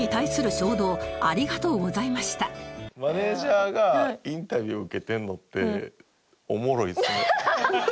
マネージャーがインタビュー受けてるのっておもろいっすね。